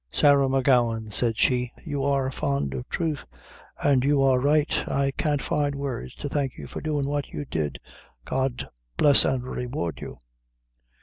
"Sarah M'Gowan," said she, "you are fond of truth, an' you are right; I can't find words to thank you for doin' what you did, God bless and reward you!"